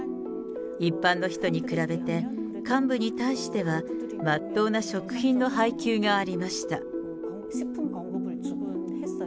一般の人に比べて、幹部に対してはまっとうな食品の配給がありました。